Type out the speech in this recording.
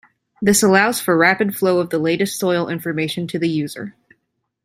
This allows for rapid flow of the latest soil information to the user.